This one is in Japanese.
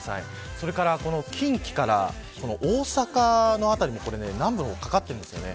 それから近畿から大阪のあたりも南部に雨雲がかかっています。